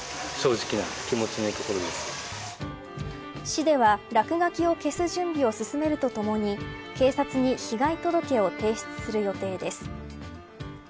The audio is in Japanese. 市では落書きを消す準備を進めるとともに警察に被害届を提出する予定です。